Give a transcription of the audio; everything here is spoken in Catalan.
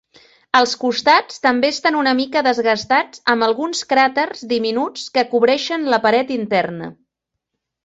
Els costats també estan una mica desgastats amb alguns cràters diminuts que cobreixen la paret interna.